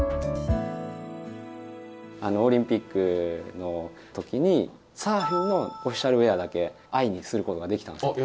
あのオリンピックの時にサーフィンのオフィシャルウエアだけ藍にすることができたんですよ。